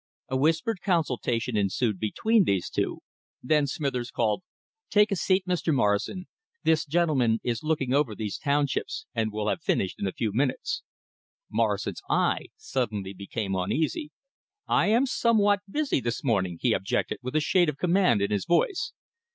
A whispered consultation ensued between these two. Then Smithers called: "Take a seat, Mr. Morrison. This gentleman is looking over these townships, and will have finished in a few minutes." Morrison's eye suddenly became uneasy. "I am somewhat busy this morning," he objected with a shade of command in his voice.